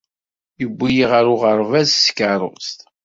Yewwi-iyi ɣer uɣerbaz s tkeṛṛust.